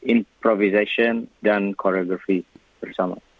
improvisasi dan koreografi bersama